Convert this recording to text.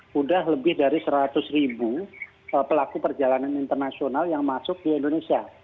sudah lebih dari seratus ribu pelaku perjalanan internasional yang masuk ke indonesia